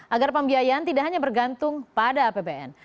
agar pembiayaan tidak hanya bergantung pada apbn